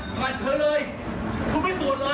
หลัดเฉยเลยคุณไม่ตรวจเลย